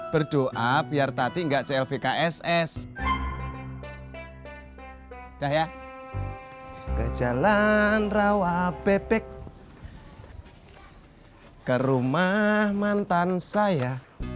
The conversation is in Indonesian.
berdoa biar tadi enggak clbk ss dah ya ke jalan rawa bebek ke rumah mantan saya